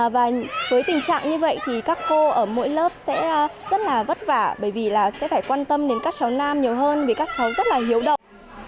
và với tình trạng như vậy thì các cô ở mỗi lớp sẽ rất là vất vả bởi vì là sẽ phải quan tâm đến các cháu nam nhiều hơn vì các cháu rất là hiếu động